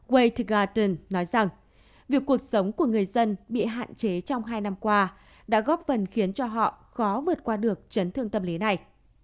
way gaton nói rằng việc cuộc sống của người dân bị hạn chế trong hai năm qua đã góp phần khiến cho họ khó vượt qua được chấn thương tâm lý này